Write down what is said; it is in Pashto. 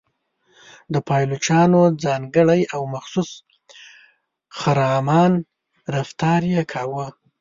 د پایلوچانو ځانګړی او مخصوص خرامان رفتار یې کاوه.